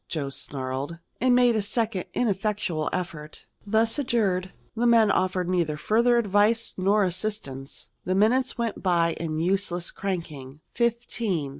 Joe snarled, and made a second ineffectual effort. Thus adjured, the men offered neither further advice nor assistance. The minutes went by in useless cranking fifteen.